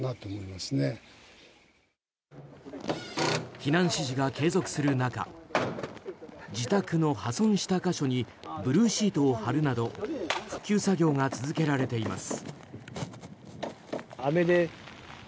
避難指示が継続する中自宅の破損した箇所にブルーシートを張るなど復旧作業が続けられています。